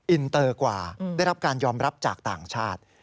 อินเตอร์กว่าได้รับการยอมรับจากต่างชาติ